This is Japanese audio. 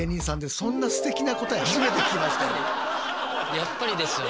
やっぱりですよね。